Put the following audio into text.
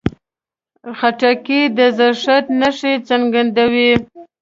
خټکی د زړښت نښې ځنډوي.